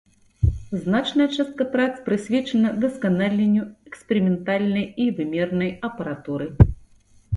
Значная частка прац прысвечана дасканаленню эксперыментальнай і вымернай апаратуры.